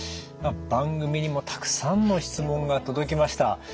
番組にもたくさんの質問が届きました。